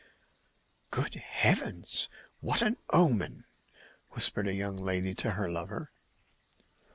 "Good heavens! What an omen!" whispered a young lady to her lover.